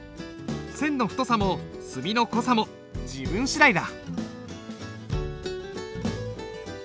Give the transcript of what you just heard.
線の太さも墨の濃さも自分次第だ。